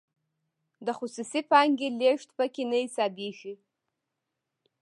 د خصوصي پانګې لیږد پکې نه حسابیږي.